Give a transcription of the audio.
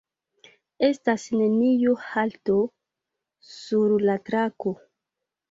Estas neniu halto sur la trako.